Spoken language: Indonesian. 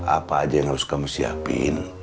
apa aja yang harus kamu siapin